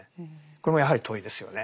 これもやはり問いですよね。